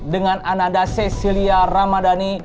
dengan ananda cecilia ramadhani